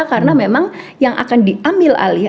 karena memang yang akan diambil alih